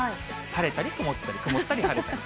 晴れたり曇ったり、曇ったり晴れたり。